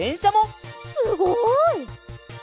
すごい！